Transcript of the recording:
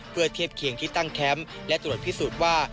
เพื่อเทียบเคียงที่ตั้งแคมป์และตรวจพิสูจน์ว่า